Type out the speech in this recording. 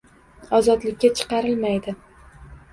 ozodlikka chiqarilmaydi.